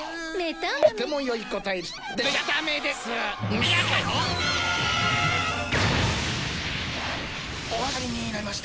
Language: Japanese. とてもよい答えでした。